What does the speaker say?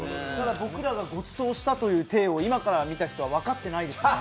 僕らがごちそうしたという体を今から見た人が分かってないですね。